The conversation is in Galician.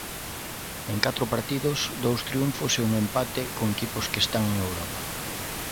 En catro partidos, dous triunfos e un empate con equipos que están en Europa.